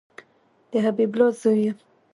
د حبیب الله زوی یم